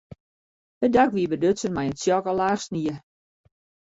It dak wie bedutsen mei in tsjokke laach snie.